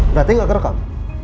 berarti gak kerekam